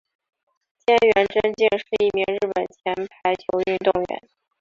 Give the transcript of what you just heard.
菅原贞敬是一名日本前排球运动员。